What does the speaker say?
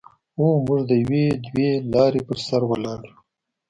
او موږ د یوې دوې لارې پر سر ولاړ یو.